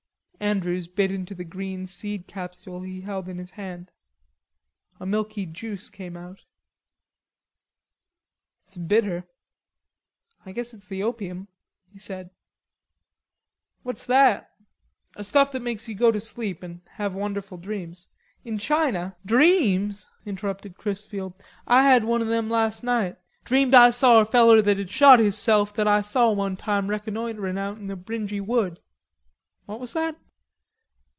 Andrews bit into the green seed capsule he held in his hand. A milky juice came out. "It's bitter...I guess it's the opium," he said. "What's that?" "A stuff that makes you go to sleep and have wonderful dreams. In China...." "Dreams," interrupted Chrisfield. "Ah had one of them last night. Dreamed Ah saw a feller that had shot hisself that I saw one time reconnoitrin' out in the Bringy Wood." "What was that?"